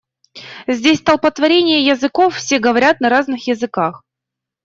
Здесь столпотворение языков, все говорят на разных языках.